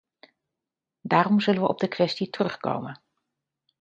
Daarom zullen we op de kwestie terug komen.